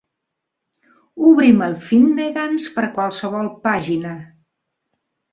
Obrim el Finnegan's per qualsevol pàgina.